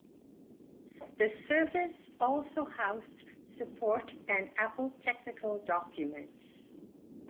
The service also housed support and Apple technical documents.